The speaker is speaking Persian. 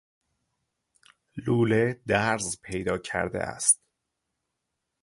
لوله درز پیدا کرده است.